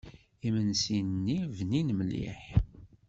Imensi-nni bnin mliḥ.